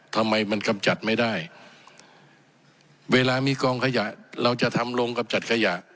ทำไมมันกำจัดไม่ได้เวลามีกองขยะเราจะทำลงกำจัดขยะ